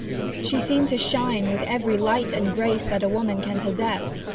She seemed to shine with every light and grace that woman can possess.